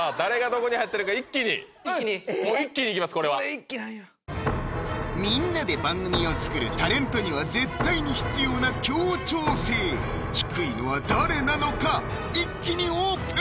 これはこれ一気なんやみんなで番組を作るタレントには絶対に必要な協調性低いのは誰なのか⁉一気にオープン！